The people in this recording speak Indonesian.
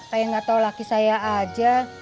kayak nggak tahu laki saya aja